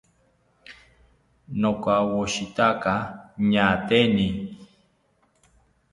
Nokawoshitaka ñaateni